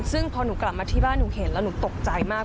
ซึ่งพอหนูกลับมาที่บ้านหนูเห็นแล้วหนูตกใจมาก